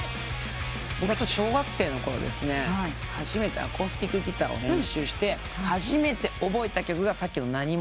小学生のころ初めてアコースティックギターを練習して初めて覚えた曲がさっきの。